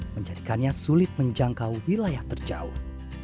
menjadikannya sulit menjangkau wilayah terjauh